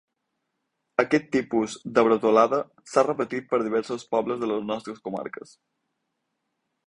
Aquest tipus de bretolada s’ha repetit per diversos pobles de les nostres comarques.